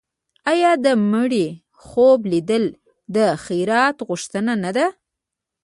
آیا د مړي خوب لیدل د خیرات غوښتنه نه ده؟